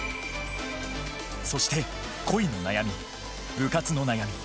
そして恋の悩み部活の悩み